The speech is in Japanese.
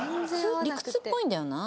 理屈っぽいんだよな。